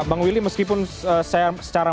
bang willy meskipun saya secara